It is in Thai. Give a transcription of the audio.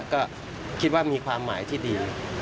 ก็คิดว่ามีความหมายที่ดี